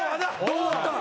どうなった？